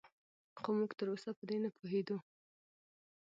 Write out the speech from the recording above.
خو موږ تراوسه په دې نه پوهېدو